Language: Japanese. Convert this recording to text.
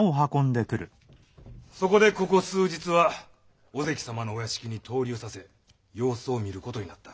そこでここ数日は尾関様のお屋敷に逗留させ様子を見ることになった。